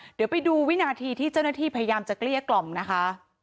เดี๋ยวไปดูวินาทีที่เจ้าหน้าที่พยายามจะเกลี้ยกล่อมนะคะ